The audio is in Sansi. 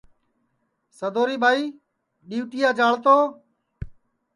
سدوری ٻائی ڈِؔوٹِیا جاݪ تو